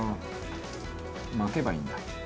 巻けばいいんだ。